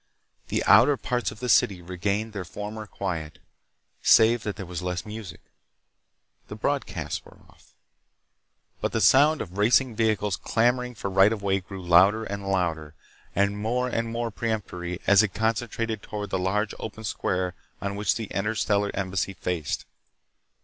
The outer parts of the city regained their former quiet, save that there was less music. The broadcasts were off. But the sound of racing vehicles clamoring for right of way grew louder and louder, and more and more peremptory as it concentrated toward the large open square on which the Interstellar Embassy faced.